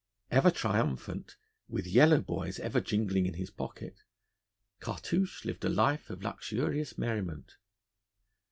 Ever triumphant, with yellow boys ever jingling in his pocket, Cartouche lived a life of luxurious merriment.